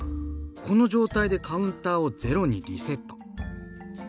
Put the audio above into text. この状態でカウンターをゼロにリセット。